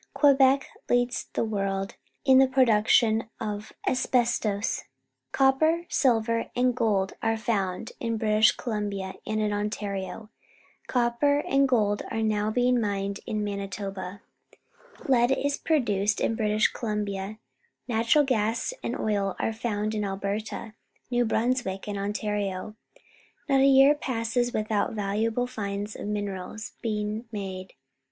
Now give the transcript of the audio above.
Quebec leads the world in the production of asbestos. Copper, silver, and gold are found in British Columbia and in Ontario. Copper and gold are now being mined in Manitoba. Lead is produced in British Columbia. Natural gas and oil are found in Alberta, New Brunswick, and Ontario. Not a year passes without valuable finds of minerals being made.